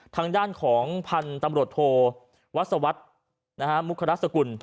ทางด้านของพันธุ์ตำรวจโทวัศวรรษมุครสกุล